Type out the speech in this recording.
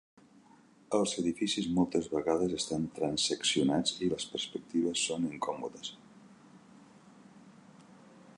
Els edificis moltes vegades estan transeccionats i les perspectives són incòmodes.